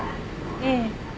ええ。